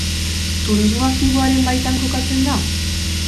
Turismo aktiboaren baitan kokatzen da?